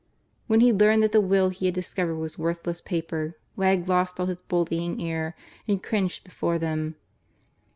When he learned that the will he had discovered was worthless paper, Wegg lost all his bullying air and cringed before them.